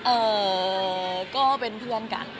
เอ่อก็เป็นเพื่อนกัน